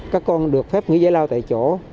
các con được phép nghỉ giải lao tại chỗ